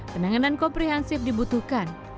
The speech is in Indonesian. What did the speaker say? penanganan komprehensif dibutuhkan